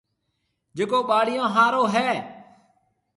جڪو ٻاݪيون هارون هيَ۔